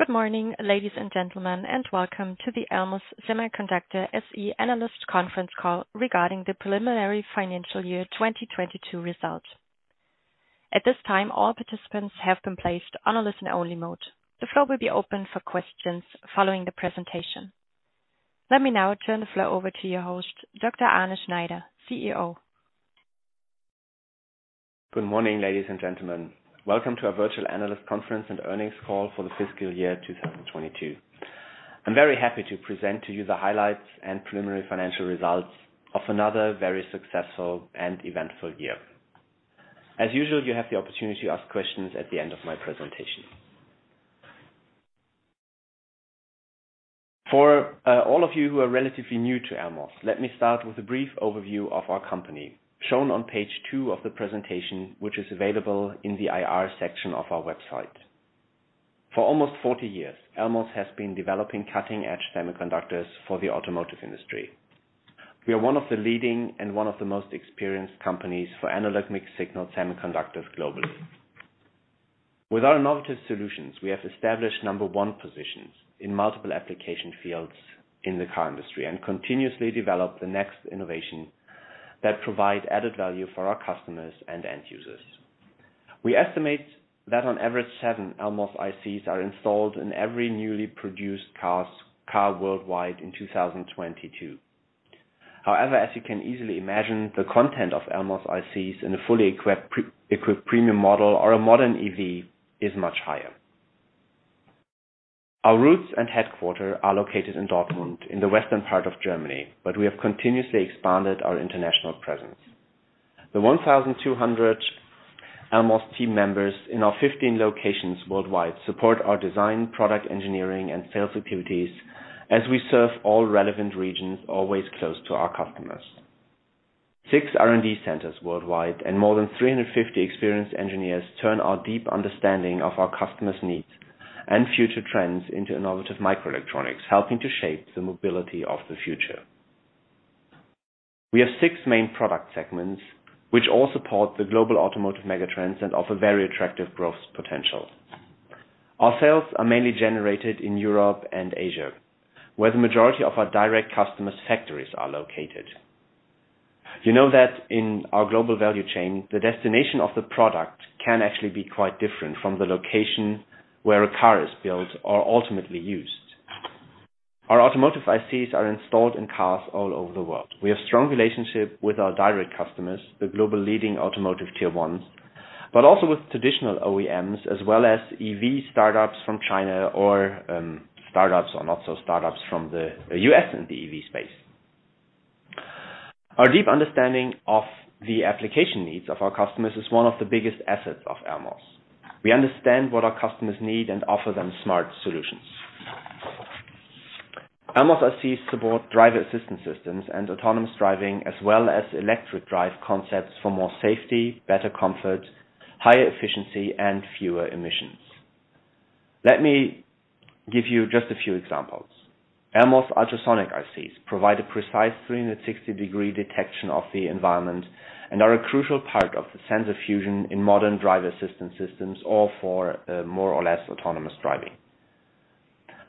Good morning, ladies and gentlemen, welcome to the Elmos Semiconductor SE analyst conference call regarding the preliminary financial year 2022 results. At this time, all participants have been placed on a listen-only mode. The floor will be open for questions following the presentation. Let me now turn the floor over to your host, Dr. Arne Schneider, CEO. Good morning, ladies and gentlemen. Welcome to our virtual analyst conference and earnings call for the fiscal year 2022. I'm very happy to present to you the highlights and preliminary financial results of another very successful and eventful year. For all of you who are relatively new to Elmos, let me start with a brief overview of our company, shown on page two of the presentation, which is available in the IR section of our website. For almost 40 years, Elmos has been developing cutting-edge semiconductors for the automotive industry. We are one of the leading and one of the most experienced companies for analog mixed-signal semiconductors globally. With our innovative solutions, we have established number one positions in multiple application fields in the car industry and continuously develop the next innovation that provide added value for our customers and end users. We estimate that on average, seven Elmos ICs are installed in every newly produced car worldwide in 2022. However, as you can easily imagine, the content of Elmos ICs in a fully equipped pre-equipped premium model or a modern EV is much higher. Our roots and headquarter are located in Dortmund, in the western part of Germany, but we have continuously expanded our international presence. The 1,200 Elmos team members in our 15 locations worldwide support our design, product engineering and sales activities as we serve all relevant regions, always close to our customers. Six R&D centers worldwide and more than 350 experienced engineers turn our deep understanding of our customers' needs and future trends into innovative microelectronics, helping to shape the mobility of the future. We have six main product segments which all support the global automotive megatrends and offer very attractive growth potential. Our sales are mainly generated in Europe and Asia, where the majority of our direct customers' factories are located. You know that in our global value chain, the destination of the product can actually be quite different from the location where a car is built or ultimately used. Our automotive ICs are installed in cars all over the world. We have strong relationship with our direct customers, the global leading automotive Tier 1s, but also with traditional OEMs as well as EV startups from China or startups or not so startups from the U.S. and the EV space. Our deep understanding of the application needs of our customers is one of the biggest assets of Elmos. We understand what our customers need and offer them smart solutions. Elmos ICs support driver assistance systems and autonomous driving, as well as electric drive concepts for more safety, better comfort, higher efficiency and fewer emissions. Let me give you just a few examples. Elmos ultrasonic ICs provide a precise 360-degree detection of the environment and are a crucial part of the sensor fusion in modern driver assistance systems, or for more or less autonomous driving.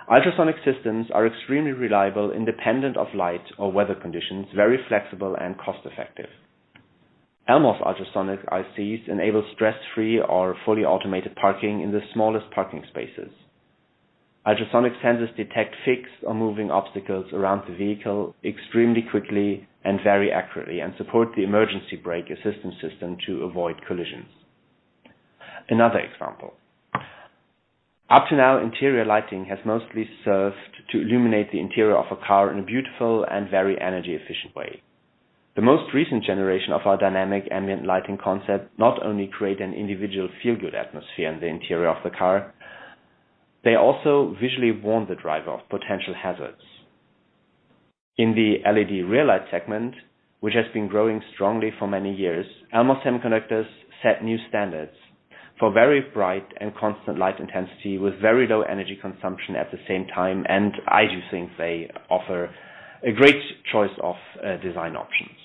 Ultrasonic systems are extremely reliable, independent of light or weather conditions, very flexible and cost-effective. Elmos ultrasonic ICs enable stress-free or fully automated parking in the smallest parking spaces. Ultrasonic sensors detect fixed or moving obstacles around the vehicle extremely quickly and very accurately, and support the emergency brake assistance system to avoid collisions. Another example: up to now, interior lighting has mostly served to illuminate the interior of a car in a beautiful and very energy efficient way. The most recent generation of our dynamic ambient lighting concept not only create an individual feel-good atmosphere in the interior of the car, they also visually warn the driver of potential hazards. In the LED rear light segment, which has been growing strongly for many years, Elmos Semiconductors set new standards for very bright and constant light intensity with very low energy consumption at the same time, and I do think they offer a great choice of design options.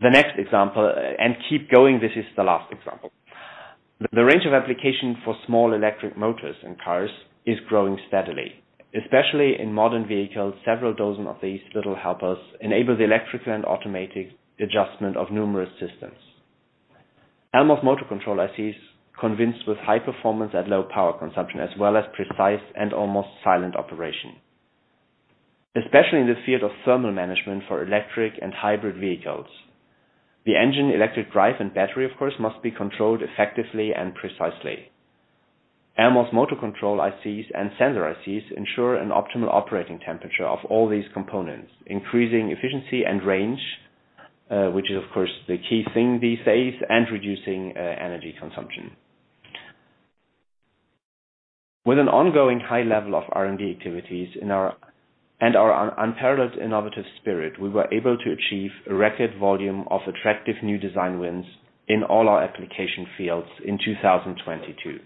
The next example, and keep going, this is the last example. The range of application for small electric motors in cars is growing steadily. Especially in modern vehicles, several dozen of these little helpers enable the electrical and automatic adjustment of numerous systems. Elmos Motor Control ICs convince with high performance at low power consumption, as well as precise and almost silent operation. Especially in the field of thermal management for electric and hybrid vehicles. The engine electric drive and battery, of course, must be controlled effectively and precisely. Elmos Motor Control ICs and Sensor ICs ensure an optimal operating temperature of all these components, increasing efficiency and range, which is of course the key thing these days, and reducing energy consumption. With an ongoing high level of R&D activities and our unparalleled innovative spirit, we were able to achieve a record volume of attractive new design wins in all our application fields in 2022.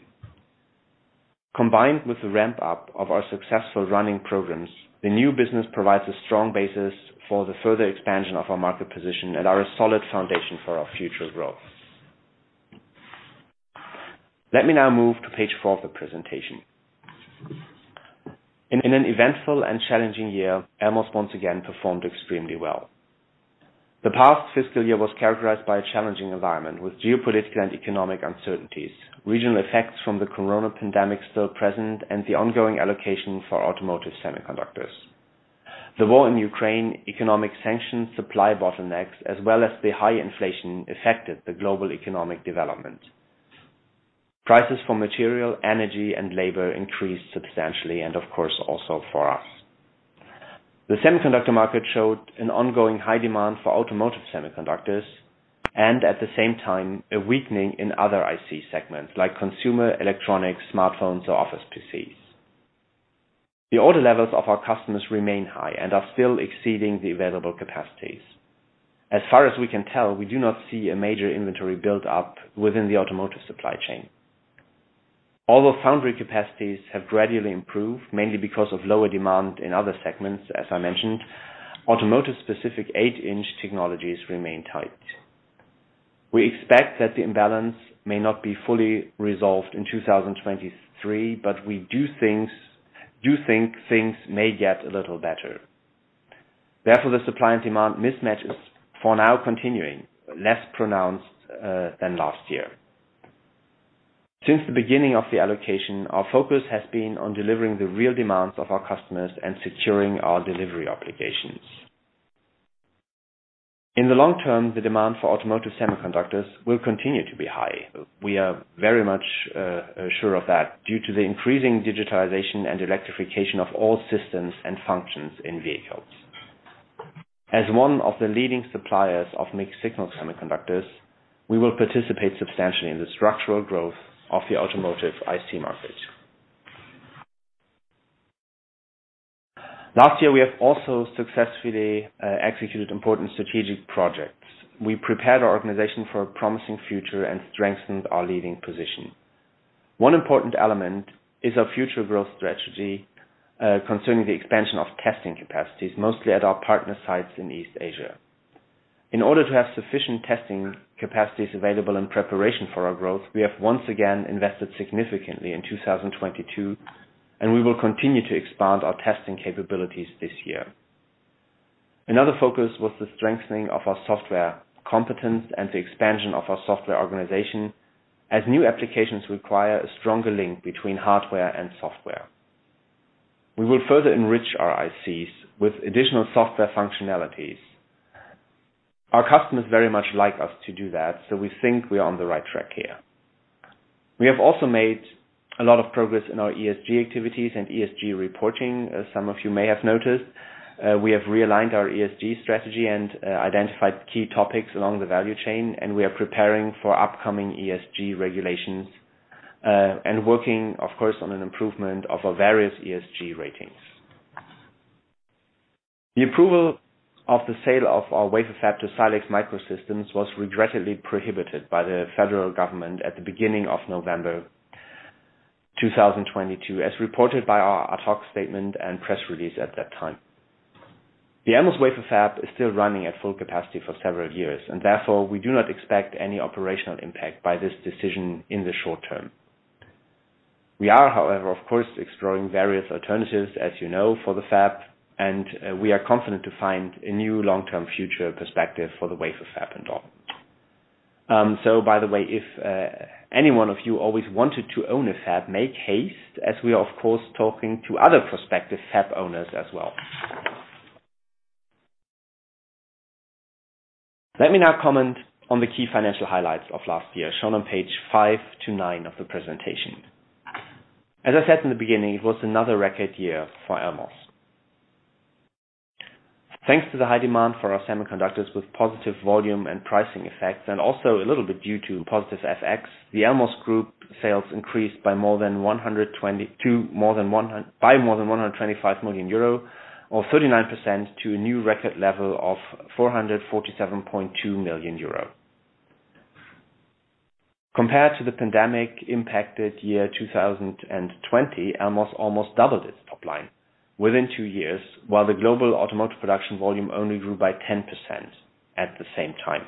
Combined with the ramp up of our successful running programs, the new business provides a strong basis for the further expansion of our market position and are a solid foundation for our future growth. Let me now move to page four of the presentation. In an eventful and challenging year, Elmos once again performed extremely well. The past fiscal year was characterized by a challenging environment with geopolitical and economic uncertainties, regional effects from the Corona pandemic still present, and the ongoing allocation for automotive semiconductors. The war in Ukraine, economic sanctions, supply bottlenecks, as well as the high inflation affected the global economic development. Prices for material, energy and labor increased substantially and of course also for us. The semiconductor market showed an ongoing high demand for automotive semiconductors and at the same time a weakening in other IC segments like consumer electronics, smartphones or office PCs. The order levels of our customers remain high and are still exceeding the available capacities. As far as we can tell, we do not see a major inventory build up within the automotive supply chain. Although foundry capacities have gradually improved, mainly because of lower demand in other segments, as I mentioned, automotive specific eight-inch technologies remain tight. We expect that the imbalance may not be fully resolved in 2023, but we do think things may get a little better. Therefore, the supply and demand mismatch is for now continuing less pronounced than last year. Since the beginning of the allocation, our focus has been on delivering the real demands of our customers and securing our delivery obligations. In the long term, the demand for automotive semiconductors will continue to be high. We are very much sure of that due to the increasing digitalization and electrification of all systems and functions in vehicles. As one of the leading suppliers of mixed signal semiconductors, we will participate substantially in the structural growth of the automotive IC market. Last year, we have also successfully executed important strategic projects. We prepared our organization for a promising future and strengthened our leading position. One important element is our future growth strategy, concerning the expansion of testing capacities, mostly at our partner sites in East Asia. In order to have sufficient testing capacities available in preparation for our growth, we have once again invested significantly in 2022, and we will continue to expand our testing capabilities this year. Another focus was the strengthening of our software competence and the expansion of our software organization. As new applications require a stronger link between hardware and software. We will further enrich our ICs with additional software functionalities. Our customers very much like us to do that, so we think we are on the right track here. We have also made a lot of progress in our ESG activities and ESG reporting. As some of you may have noticed, we have realigned our ESG strategy and identified key topics along the value chain, and we are preparing for upcoming ESG regulations, and working of course, on an improvement of our various ESG ratings. The approval of the sale of our wafer fab to Silex Microsystems was regrettably prohibited by the federal government at the beginning of November 2022 as reported by our ad hoc statement and press release at that time. The Elmos wafer fab is still running at full capacity for several years, and therefore we do not expect any operational impact by this decision in the short term. We are, however, of course exploring various alternatives, as you know, for the fab, and we are confident to find a new long-term future perspective for the wafer fab and all. By the way, if any one of you always wanted to own a fab, make haste, as we are of course talking to other prospective fab owners as well. Let me now comment on the key financial highlights of last year, shown on page five to nine of the presentation. As I said in the beginning, it was another record year for Elmos. Thanks to the high demand for our semiconductors with positive volume and pricing effects, and also a little bit due to positive FX. The Elmos Group sales increased by more than 125 million euro or 39% to a new record level of 447.2 million euro. Compared to the pandemic impacted year 2020, Elmos almost doubled its top line within two years, while the global automotive production volume only grew by 10% at the same time.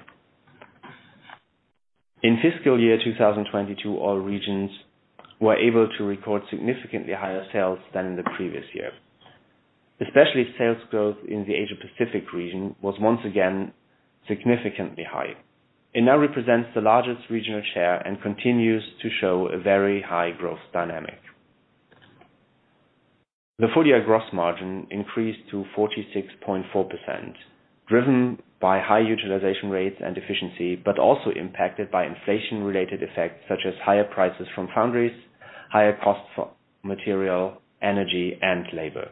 In fiscal year 2022, all regions were able to record significantly higher sales than the previous year. Especially sales growth in the Asia Pacific region was once again significantly high. It now represents the largest regional share and continues to show a very high growth dynamic. The full year gross margin increased to 46.4%, driven by high utilization rates and efficiency, but also impacted by inflation-related effects such as higher prices from foundries, higher costs for material, energy and labor.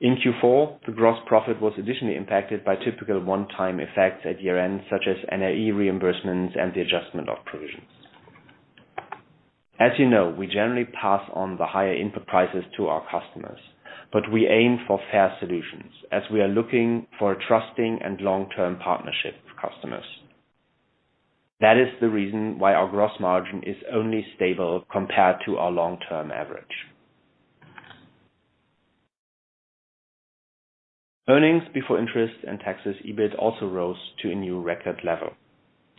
In Q4, the gross profit was additionally impacted by typical one-time effects at year-end, such as NRE reimbursements and the adjustment of provisions. As you know, we generally pass on the higher input prices to our customers. We aim for fair solutions as we are looking for a trusting and long-term partnership with customers. That is the reason why our gross margin is only stable compared to our long-term average. Earnings before interest and taxes, EBIT also rose to a new record level.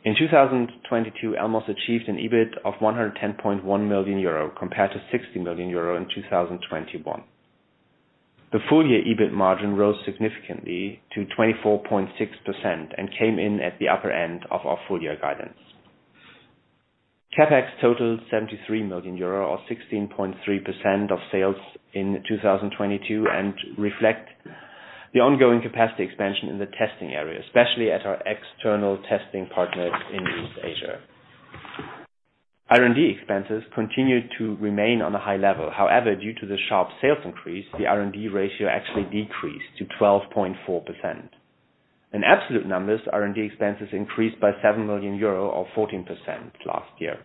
In 2022, Elmos achieved an EBIT of 110.1 million euro compared to 60 million euro in 2021. The full year EBIT margin rose significantly to 24.6% and came in at the upper end of our full year guidance. CapEx totaled 73 million euro or 16.3% of sales in 2022 and reflect the ongoing capacity expansion in the testing area, especially at our external testing partners in East Asia. Due to the sharp sales increase, the R&D ratio actually decreased to 12.4%. In absolute numbers, R&D expenses increased by 7 million euro or 14% last year.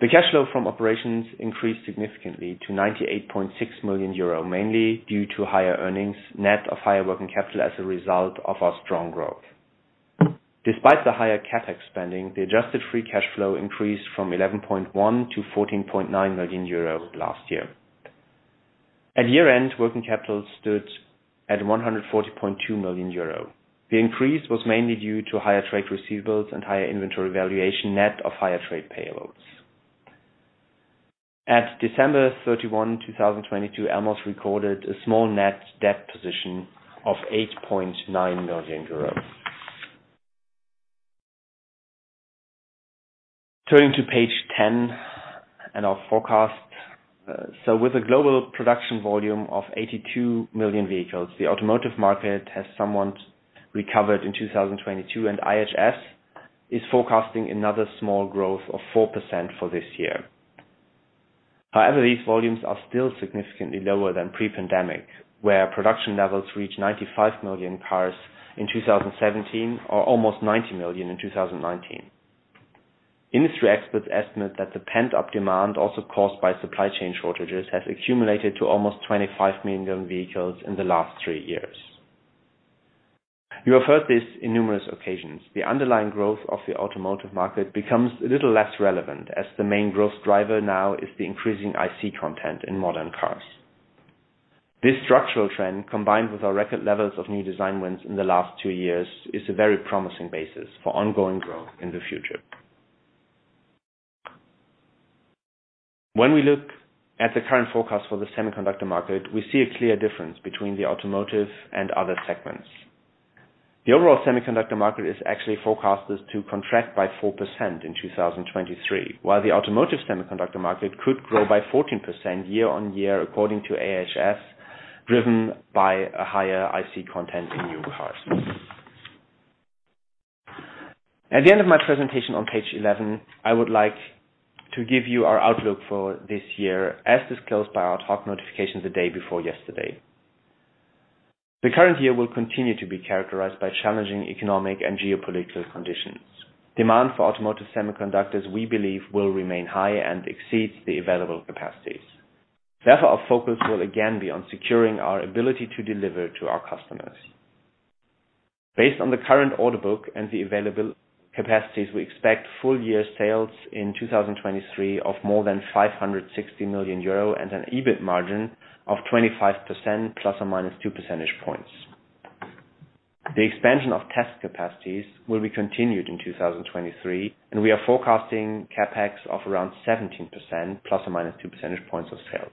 The cash flow from operations increased significantly to 98.6 million euro, mainly due to higher earnings net of higher working capital as a result of our strong growth. Despite the higher CapEx spending, the adjusted free cash flow increased from 11.1 million to 14.9 million euro last year. At year-end, working capital stood at 140.2 million euro. The increase was mainly due to higher trade receivables and higher inventory valuation net of higher trade payloads. At December 31, 2022, Elmos recorded a small net debt position of 8.9 million euros. Turning to page 10 and our forecast. With a global production volume of 82 million vehicles, the automotive market has somewhat recovered in 2022. IHS is forecasting another small growth of 4% for this year. However, these volumes are still significantly lower than pre-pandemic, where production levels reached 95 million cars in 2017, or almost 90 million in 2019. Industry experts estimate that the pent-up demand, also caused by supply chain shortages, has accumulated to almost 25 million vehicles in the last three years. You have heard this in numerous occasions. The underlying growth of the automotive market becomes a little less relevant as the main growth driver now is the increasing IC content in modern cars. This structural trend, combined with our record levels of new design wins in the last 2 years, is a very promising basis for ongoing growth in the future. When we look at the current forecast for the semiconductor market, we see a clear difference between the automotive and other segments. The overall semiconductor market is actually forecasted to contract by 4% in 2023, while the automotive semiconductor market could grow by 14% year-over-year, according to IHS, driven by a higher IC content in new cars. At the end of my presentation on page 11, I would like to give you our outlook for this year, as disclosed by our ad hoc notification the day before yesterday. The current year will continue to be characterized by challenging economic and geopolitical conditions. Demand for automotive semiconductors, we believe, will remain high and exceeds the available capacities. Our focus will again be on securing our ability to deliver to our customers. Based on the current order book and the available capacities, we expect full year sales in 2023 of more than 560 million euro and an EBIT margin of 25% ±2 percentage points. The expansion of test capacities will be continued in 2023, we are forecasting CapEx of around 17% ±2 percentage points of sales.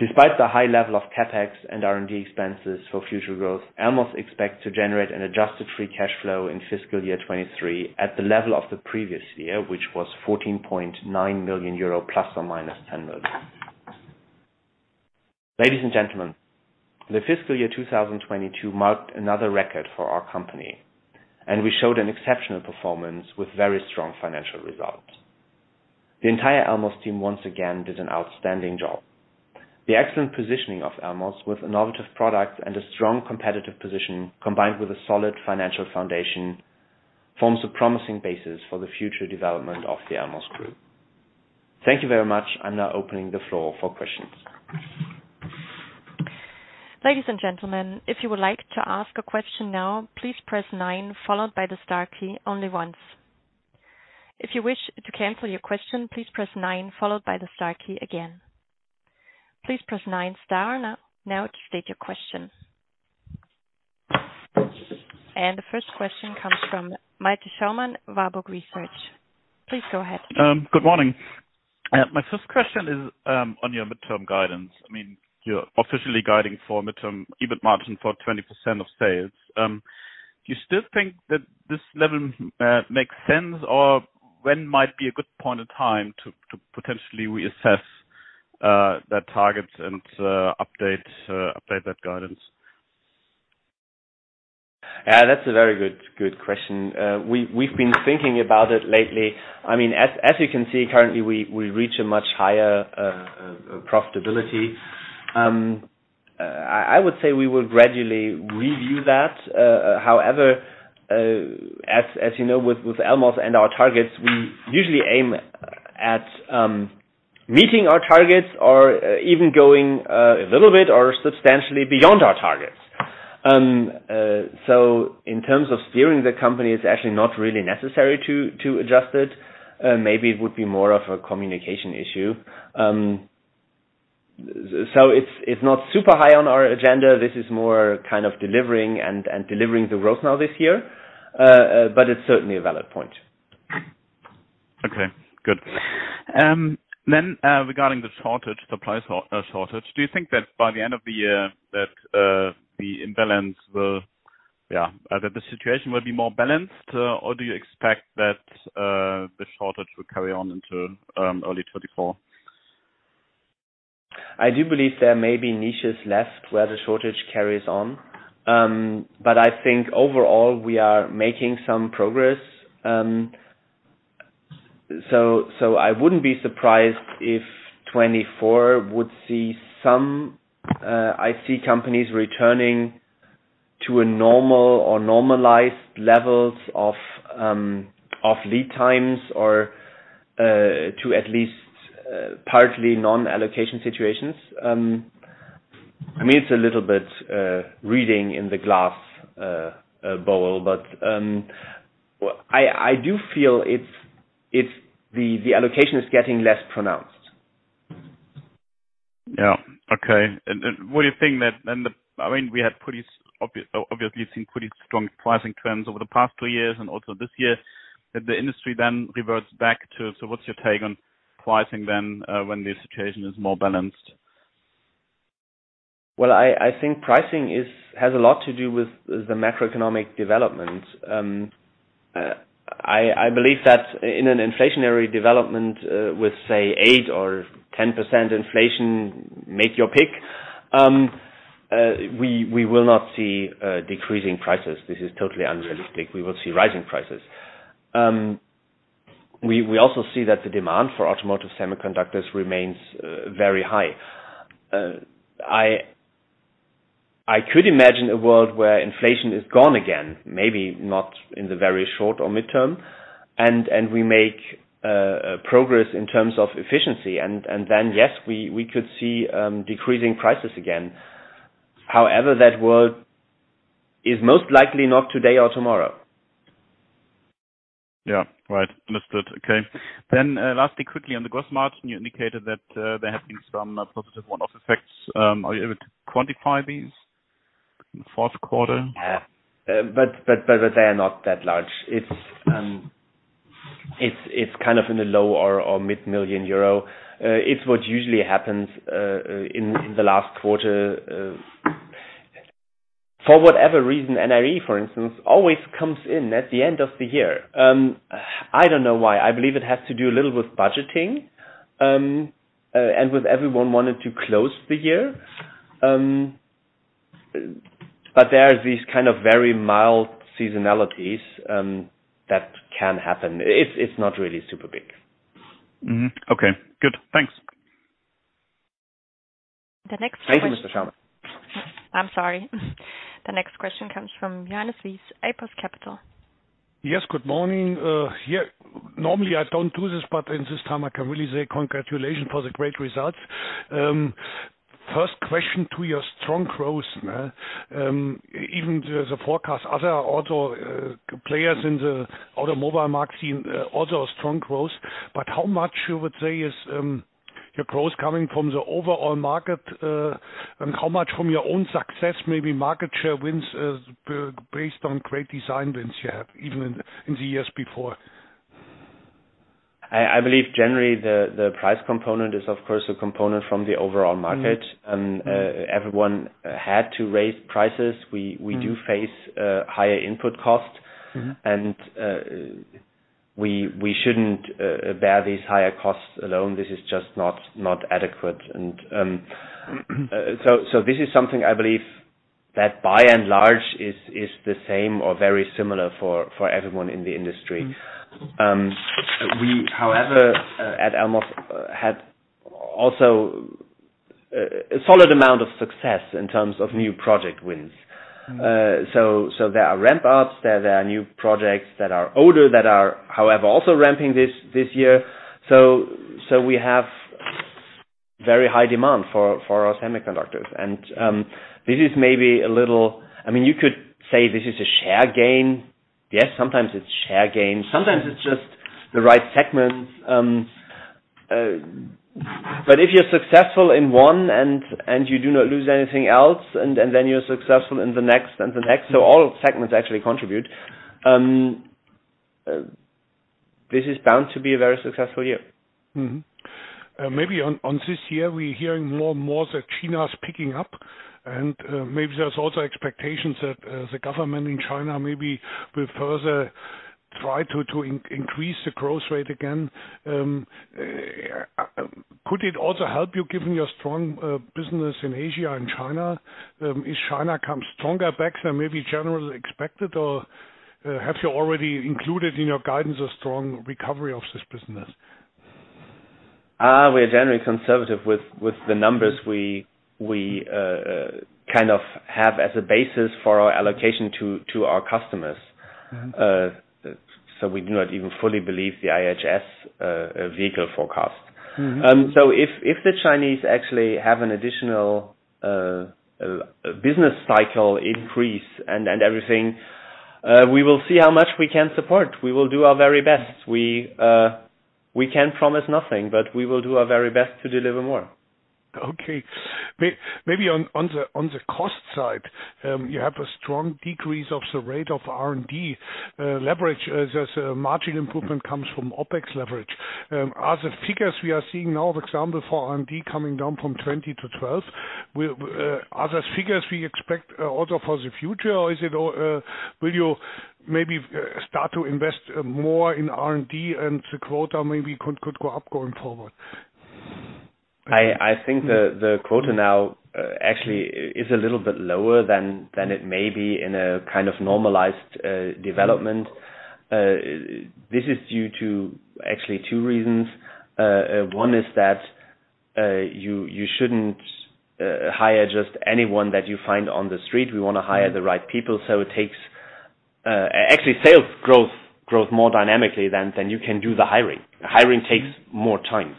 Despite the high level of CapEx and R&D expenses for future growth, Elmos expects to generate an adjusted free cash flow in fiscal year 23 at the level of the previous year, which was 14.9 million euro ±10 million. Ladies and gentlemen, the fiscal year 2022 marked another record for our company. We showed an exceptional performance with very strong financial results. The entire Elmos team once again did an outstanding job. The excellent positioning of Elmos with innovative products and a strong competitive position, combined with a solid financial foundation, forms a promising basis for the future development of the Elmos Group. Thank you very much. I'm now opening the floor for questions. Ladies and gentlemen, if you would like to ask a question now, please press nine followed by the star key only once. If you wish to cancel your question, please press nine followed by the star key again. Please press nine star now to state your question. The first question comes from Malte Schaumann, Warburg Research. Please go ahead. Good morning. My first question is on your midterm guidance. I mean, you're officially guiding for midterm EBIT margin for 20% of sales. Do you still think that this level makes sense, or when might be a good point in time to potentially reassess that target and update that guidance? That's a very good question. We've been thinking about it lately. I mean as you can see, currently we reach a much higher profitability. I would say we will gradually review that. However, as you know, with Elmos and our targets, we usually aim at meeting our targets or even going a little bit or substantially beyond our targets. In terms of steering the company, it's actually not really necessary to adjust it. Maybe it would be more of a communication issue. So it's not super high on our agenda. This is more kind of delivering and delivering the growth now this year. It's certainly a valid point. Okay, good. Regarding the shortage, supply shortage, do you think that by the end of the year that the situation will be more balanced, or do you expect that the shortage will carry on until early 2024? I do believe there may be niches left where the shortage carries on. I think overall we are making some progress. I wouldn't be surprised if 2024 would see some IC companies returning to a normal or normalized levels of lead times or to at least partly non-allocation situations. I mean, it's a little bit reading in the glass bowl, but I do feel it's the allocation is getting less pronounced. Yeah. Okay. What do you think that then, I mean, we have pretty obviously seen pretty strong pricing trends over the past two years and also this year, that the industry then reverts back to? What's your take on pricing then, when the situation is more balanced? Well, I think pricing has a lot to do with the macroeconomic development. I believe that in an inflationary development, with say, 8% or 10% inflation, make your pick, we will not see decreasing prices. This is totally unrealistic. We will see rising prices. We also see that the demand for automotive semiconductors remains very high. I could imagine a world where inflation is gone again, maybe not in the very short or midterm, and we make progress in terms of efficiency and then, yes, we could see decreasing prices again. That world is most likely not today or tomorrow. Yeah. Right. Understood. Okay. Lastly, quickly on the gross margin, you indicated that there have been some positive one-off effects. Are you able to quantify these in the Q4? Yeah. They are not that large. It's kind of in the low or mid million EUR. It's what usually happens in the last quarter, for whatever reason NRE, for instance, always comes in at the end of the year. I don't know why. I believe it has to do a little with budgeting and with everyone wanting to close the year. There are these kind of very mild seasonalities that can happen. It's not really super big. Mm-hmm. Okay, good. Thanks. Thank you, Mr. Schaumann. I'm sorry. The next question comes from Johannes Ries, APUS Capital. Yes, good morning. Yeah, normally I don't do this, but in this time I can really say congratulations for the great results. First question to your strong growth, even the forecast, other auto players in the automobile market seem also a strong growth. How much you would say is your growth coming from the overall market, and how much from your own success, maybe market share wins, based on great design wins you have in the years before? I believe generally the price component is of course a component from the overall market. Mm-hmm. Everyone had to raise prices. We do face higher input costs. Mm-hmm. We shouldn't bear these higher costs alone. This is just not adequate. This is something I believe that by and large is the same or very similar for everyone in the industry. Mm-hmm. We, however, at Elmos had also a solid amount of success in terms of new project wins. Mm-hmm. There are ramp ups, there are new projects that are older, that are however, also ramping this year. We have very high demand for our semiconductors. This is maybe a little... I mean, you could say this is a share gain. Yes, sometimes it's share gain. Sometimes it's just the right segments. If you're successful in one and you do not lose anything else, and then you're successful in the next, so all segments actually contribute, this is bound to be a very successful year. Maybe on this year, we're hearing more and more that China is picking up and maybe there's also expectations that the government in China maybe will further try to increase the growth rate again. Could it also help you, given your strong business in Asia and China? Is China come stronger back than maybe generally expected, or have you already included in your guidance a strong recovery of this business? We're generally conservative with the numbers we kind of have as a basis for our allocation to our customers. We do not even fully believe the IHS, vehicle forecast. Mm-hmm. If the Chinese actually have an additional business cycle increase and everything, we will see how much we can support. We will do our very best. We can't promise nothing, but we will do our very best to deliver more. Okay. Maybe on the cost side, you have a strong decrease of the rate of R&D leverage as a margin improvement comes from OpEx leverage. Are the figures we are seeing now of example for R&D coming down from 20 to 12, are the figures we expect also for the future? Or is it all, will you maybe start to invest more in R&D and the quota maybe could go up going forward? I think the quota now actually is a little bit lower than it may be in a kind of normalized development. This is due to actually two reasons. One is that you shouldn't hire just anyone that you find on the street. We wanna hire the right people. Actually, sales growth grows more dynamically than you can do the hiring. Hiring takes more time.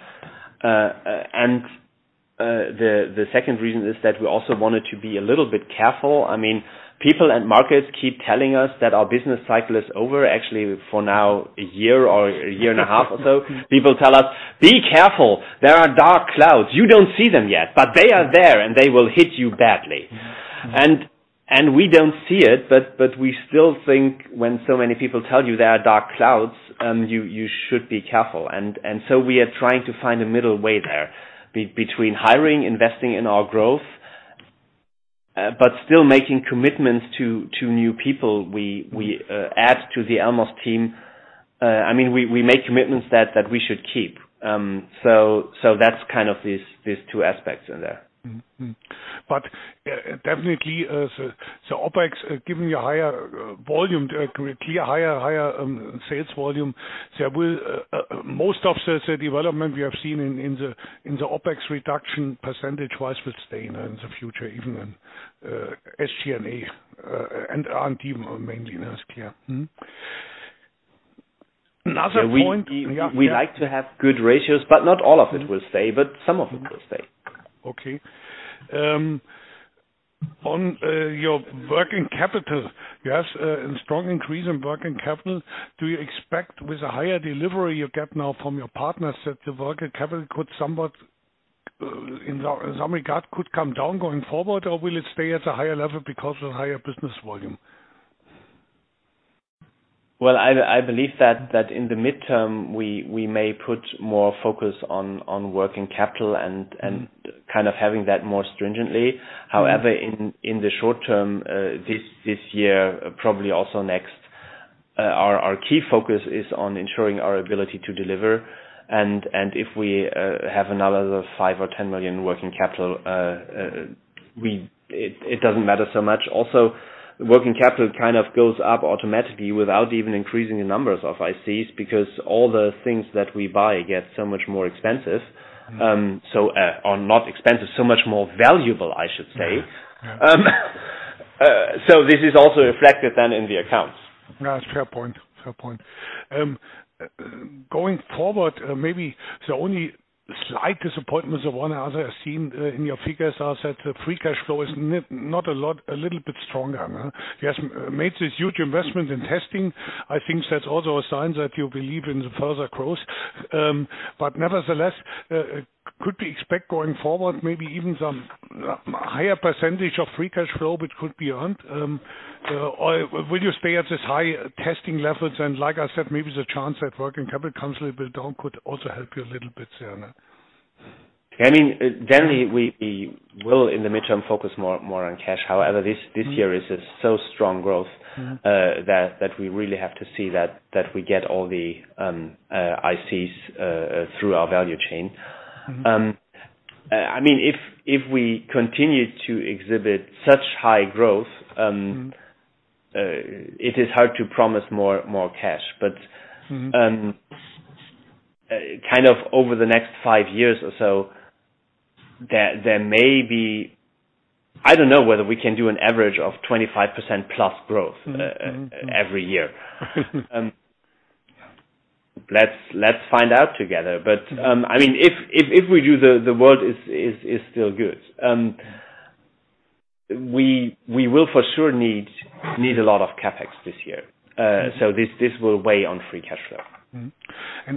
The second reason is that we also wanted to be a little bit careful. I mean, people and markets keep telling us that our business cycle is over, actually, for now year or year and a half or so. People tell us, "Be careful. There are dark clouds. You don't see them yet, but they are there, and they will hit you badly." We don't see it, but we still think when so many people tell you there are dark clouds, you should be careful. We are trying to find a middle way there between hiring, investing in our growth, but still making commitments to new people we add to the Elmos team. I mean, we make commitments that we should keep. That's kind of these two aspects in there. Mm-hmm. Definitely, as OpEx, given your higher volume, clearly higher sales volume, there will most of the development we have seen in the OpEx reduction percentage-wise will stay in the future, even SG&A and R&D mainly, that's clear. Mm-hmm. Another point. We like to have good ratios, but not all of it will stay, but some of it will stay. Okay. On your working capital, yes, in strong increase in working capital, do you expect with a higher delivery you get now from your partners that the working capital could somewhat, in some regard, could come down going forward, or will it stay at a higher level because of higher business volume? Well, I believe that in the midterm, we may put more focus on working capital and kind of having that more stringently. However, in the short term, this year, probably also next, our key focus is on ensuring our ability to deliver. If we have another 5 million or 10 million working capital, it doesn't matter so much. Also, working capital kind of goes up automatically without even increasing the numbers of ICs, because all the things that we buy get so much more expensive, or not expensive, so much more valuable, I should say. Yeah. This is also reflected then in the accounts. That's fair point. Fair point. Going forward, maybe the only slight disappointment of one other I've seen, in your figures are that the free cash flow is not a lot, a little bit stronger. You have made this huge investment in testing. I think that's also a sign that you believe in the further growth. Nevertheless, could we expect going forward, maybe even some higher % of free cash flow which could be earned? Or will you stay at this high testing levels? Like I said, maybe the chance that working capital comes a little bit down could also help you a little bit there. I mean, generally we will in the midterm focus more on cash. However, this year is a so strong growth that we really have to see that we get all the ICs through our value chain. I mean, if we continue to exhibit such high growth, it is hard to promise more cash. Mm-hmm. kind of over the next five years or so, there may be... I don't know whether we can do an average of 25% plus growth every year. Let's find out together. I mean, if we do, the world is still good. We will for sure need a lot of CapEx this year. This will weigh on free cash flow.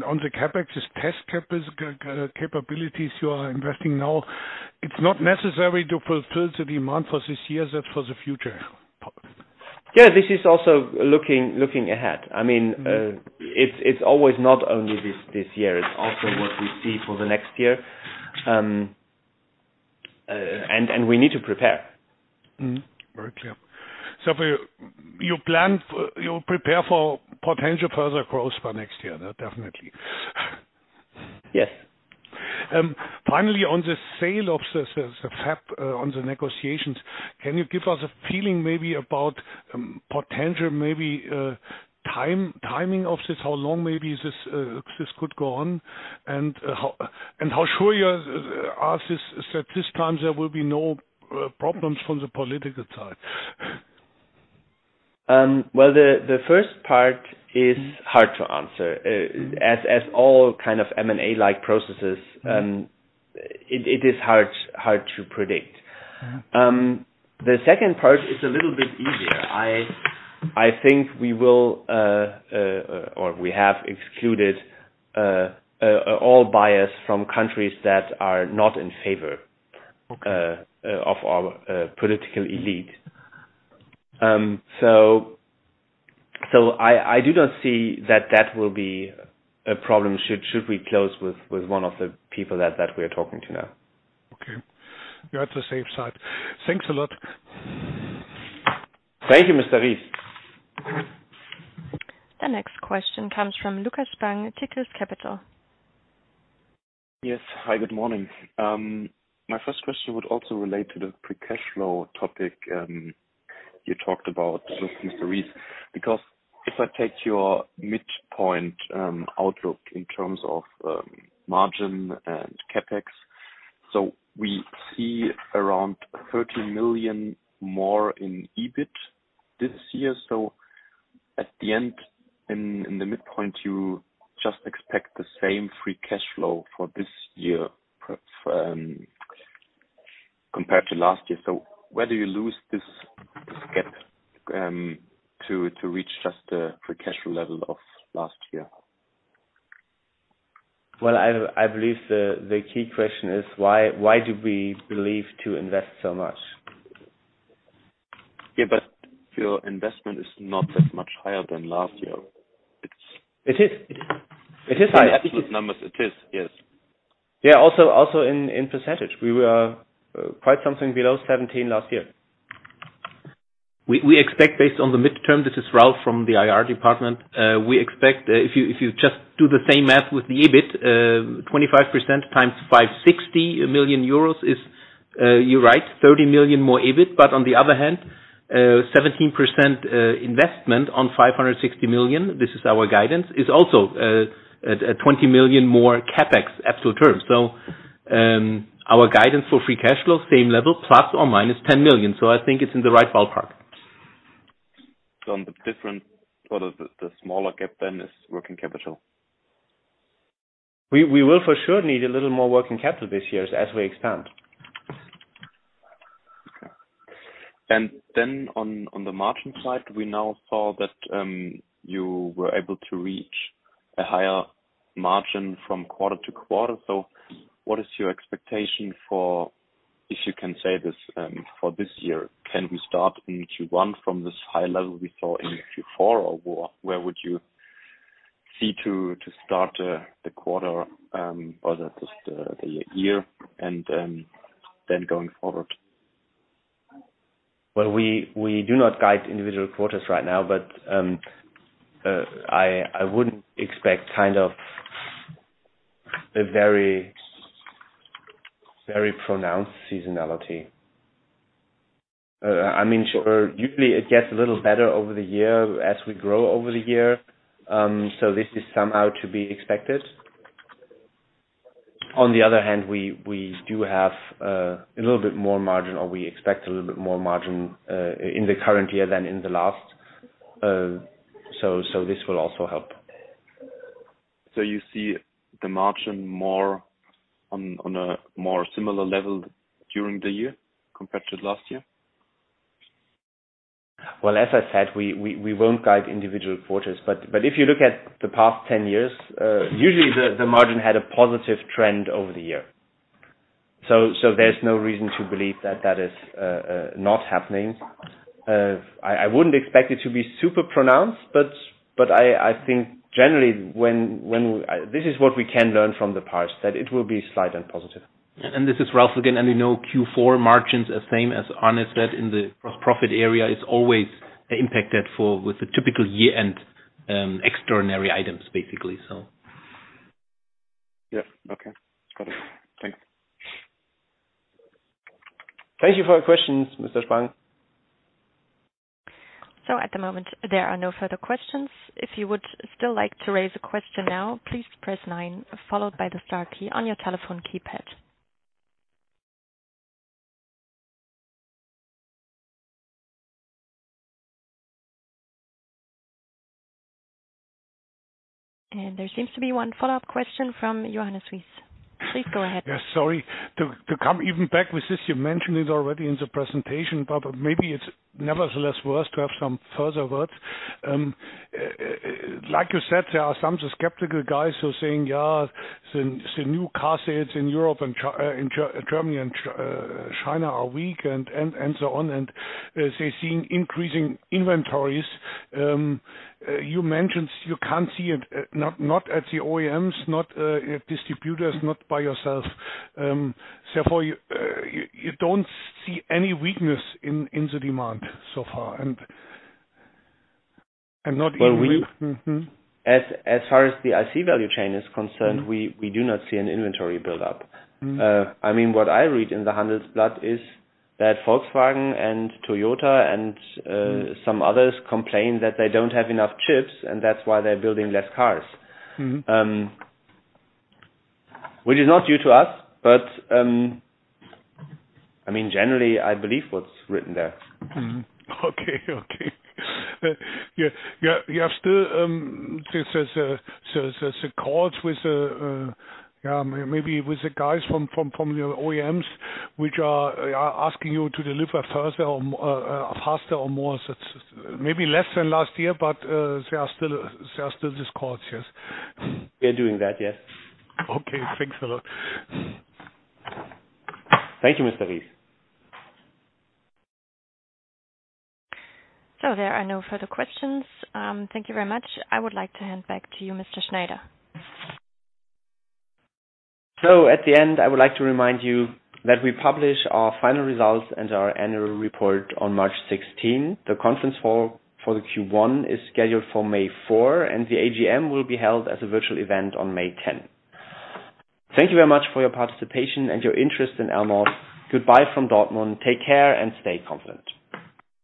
On the CapEx, this test capabilities you are investing now, it's not necessary to fulfill the demand for this year, is it for the future? Yeah, this is also looking ahead. I mean, it's always not only this year, it's also what we see for the next year. We need to prepare. Very clear. For your plan you prepare for potential further growth for next year, definitely. Yes. Finally, on the sale of the fab, on the negotiations, can you give us a feeling maybe about potential maybe timing of this, how long maybe this could go on and how, and how sure you are that this time there will be no problems from the political side? Well, the first part is hard to answer. As all kind of M&A-like processes, it is hard to predict. Mm-hmm. The second part is a little bit easier. I think we will or we have excluded all buyers from countries that are not in. Okay Of our political elite. I do not see that will be a problem, should we close with one of the people that we are talking to now. Okay. You're at the safe side. Thanks a lot. Thank you, Mr. Ries. The next question comes from Lukas Spang, Tigris Capital. Yes. Hi, good morning. My first question would also relate to the free cash flow topic, you talked about, Mr. Ries, because if I take your midpoint outlook in terms of margin and CapEx, we see around 30 million more in EBIT this year. At the end in the midpoint, you just expect the same free cash flow for this year, compared to last year. Where do you lose this gap to reach just the free cash flow level of last year? Well, I believe the key question is why do we believe to invest so much? Yeah, your investment is not that much higher than last year. It is. In absolute numbers it is. Yes. Yeah. Also in percentage we were quite something below 17 last year. We expect based on the midterm, this is Ralph from the IR department, we expect if you just do the same math with the EBIT, 25% times 560 million euros is, you're right, 30 million more EBIT. On the other hand, 17% investment on 560 million, this is our guidance, is also a 20 million more CapEx absolute terms. Our guidance for free cash flow, same level, ± 10 million. I think it's in the right ballpark. On the different, sort of, the smaller gap then is working capital. We will for sure need a little more working capital this year as we expand. Okay. on the margin side, we now saw that you were able to reach a higher margin from quarter-to-quarter. What is your expectation for, if you can say this, for this year, can we start in Q1 from this high level we saw in Q4? Where would you see to start the quarter or the year going forward? Well, we do not guide individual quarters right now. I wouldn't expect kind of a very, very pronounced seasonality. I mean, sure, usually it gets a little better over the year as we grow over the year. This is somehow to be expected. On the other hand, we do have a little bit more margin, or we expect a little bit more margin in the current year than in the last. This will also help. You see the margin more on a more similar level during the year compared to last year? As I said, we won't guide individual quarters. If you look at the past 10 years, usually the margin had a positive trend over the year. There's no reason to believe that that is not happening. I wouldn't expect it to be super pronounced, but I think generally when... This is what we can learn from the past, that it will be slight and positive. This is Ralph again, and we know Q4 margins are same as Arne said in the gross profit area is always impacted for, with the typical year-end, extraordinary items basically, so. Yeah. Okay. Got it. Thanks. Thank you for your questions, Mr. Spang. At the moment, there are no further questions. If you would still like to raise a question now, please press nine followed by the star key on your telephone keypad. There seems to be one follow-up question from Johannes Ries. Please go ahead. Yeah, sorry. To come even back with this, you mentioned it already in the presentation, but maybe it's nevertheless worth to have some further words. Like you said, there are some skeptical guys who are saying, yeah, the new car sales in Europe and Germany and China are weak and so on, and they're seeing increasing inventories. You mentioned you can't see it, not at the OEMs, not distributors, not by yourself. Therefore, you don't see any weakness in the demand so far and not even- Well. Mm-hmm. As far as the IC value chain is concerned. Mm-hmm We do not see an inventory buildup. Mm-hmm. I mean, what I read in the Handelsblatt is that Volkswagen and Toyota and, some others complain that they don't have enough chips, and that's why they're building less cars. Mm-hmm. Which is not due to us, but, I mean, generally, I believe what's written there. Okay. Okay. You have still this as a calls with, yeah, maybe with the guys from the OEMs, which are asking you to deliver further or faster or more. It's maybe less than last year, but there are still these calls, yes? We are doing that, yes. Okay. Thanks a lot. Thank you, Mr. Ries. There are no further questions. Thank you very much. I would like to hand back to you, Mr. Schneider. At the end, I would like to remind you that we publish our final results and our annual report on March 16th. The conference call for the Q1 is scheduled for May 4th, and the AGM will be held as a virtual event on May 10th. Thank you very much for your participation and your interest in Elmos. Goodbye from Dortmund. Take care and stay confident.